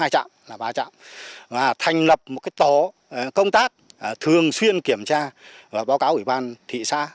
hai trạm là ba trạm và thành lập một tổ công tác thường xuyên kiểm tra và báo cáo ủy ban thị xã